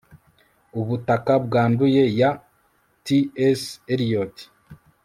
Ubutaka Bwanduye ya T S Eliot